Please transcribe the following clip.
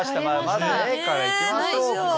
まずＡから行きましょうか。